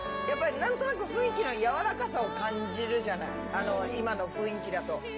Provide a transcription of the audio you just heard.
やっぱり何となく雰囲気の柔らかさを感じるじゃない今の雰囲気だと。